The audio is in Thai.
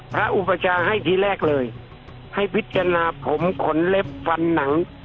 อุปชาให้ทีแรกเลยให้พิจารณาผมขนเล็บฟันหนัง